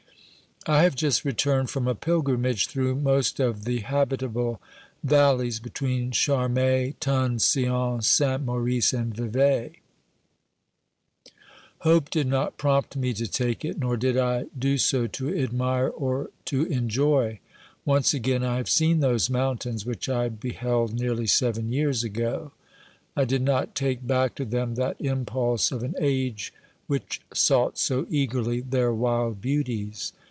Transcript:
I have just returned from a pilgrimage through most of the habitable valleys between Charmey, Thun, Sion, Saint Maurice and Vevey. Hope did not prompt me to take it, nor did I do so to admire or to enjoy. Once again I have seen those mountains which I beheld nearly seven years ago. I did not take back to them that impulse of an age which sought so eagerly their wild beauties.